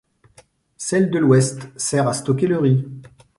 Celle de l'ouest sert à stocker le riz.